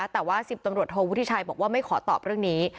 แต่ว่า๑๐ตำรวจโทวุฒิชัยบอกว่าไม่ขอตอบเรื่องนี้